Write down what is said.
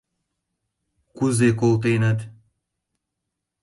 Кузе колтеныт?